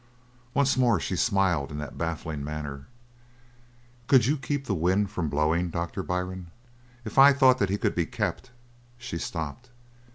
Once more she smiled in that baffling manner. "Could you keep the wind from blowing, Doctor Byrne? If I thought that he could be kept " she stopped.